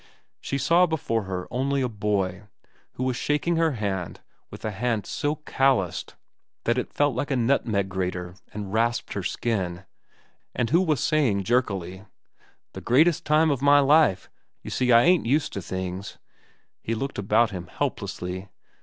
She saw before her only a boy, who was shaking her hand with a hand so calloused that it felt like a nutmeg grater and rasped her skin, and who was saying jerkily: "The greatest time of my life. You see, I ain't used to things. .." He looked about him helplessly.